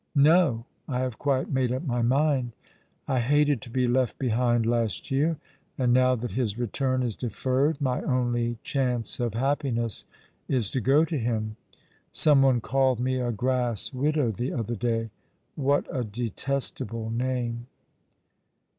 "No, I have quite made up my mind. I hated to be left behind last year ; and now that his return is deferred my only chance of happiness is to go to him. Some one called me a grass widow the other day. What a detestable name